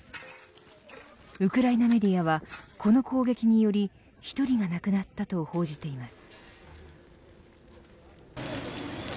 ウクライナメディアはこの攻撃により１人が亡くなったと報じています